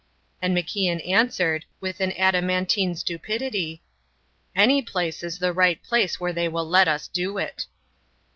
And MacIan answered, with an adamantine stupidity: "Any place is the right place where they will let us do it."